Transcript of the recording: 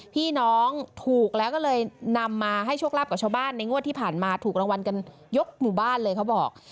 พี่น้องถูกแล้วก็เลยนำมาให้โชคลาภกับชาวบ้านในงวดที่ผ่านมาถูกรางวัลกันยกหมู่บ้านเลยเขาบอก